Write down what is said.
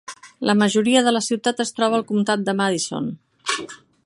La majoria de la ciutat es troba al comtat de Madison.